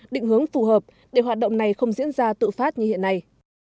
định hướng phù hợp để hoạt động này không diễn ra tự phát như hiện nay